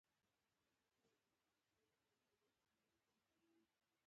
خټکی بدن پاکوي.